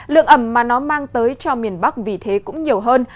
lượng ẩm mà nó mang tới cho miền bắc vì thế cũng nhiều hơn